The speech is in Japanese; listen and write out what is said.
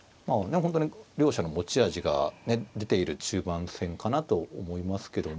本当に両者の持ち味が出ている中盤戦かなと思いますけども。